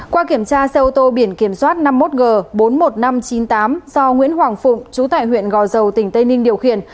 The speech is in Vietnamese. qua kiểm tra xe ô tô biển kiểm soát năm mươi một g bốn mươi một nghìn năm trăm chín mươi tám do nguyễn hoàng phụng chú tại huyện gò dầu tỉnh tây ninh điều khiển